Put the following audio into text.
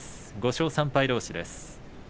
５勝３敗どうし。